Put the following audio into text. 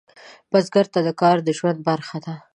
بزګر ته کار د ژوند برخه ده